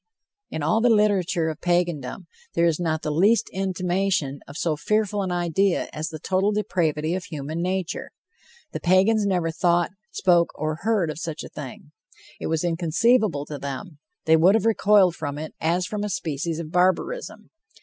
In all the literature of Pagandom, there is not the least intimation of so fearful an idea as the total depravity of human nature. The Pagans never thought, spoke, or heard of such a thing. It was inconceivable to them; they would have recoiled from it as from a species of barbarism.